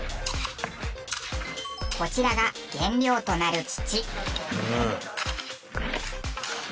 こちらが原料となる土。